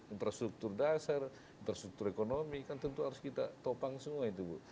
infrastruktur dasar infrastruktur ekonomi kan tentu harus kita topang semua itu bu